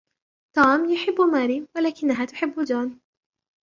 توم يحب ماري، ولكنها تحب جون.